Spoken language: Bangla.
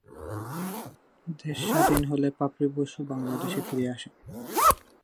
দেশ স্বাধীন হলে পাপড়ি বসু বাংলাদেশে ফিরে আসেন।